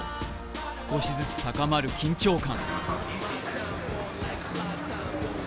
少しずつ高まる緊張感。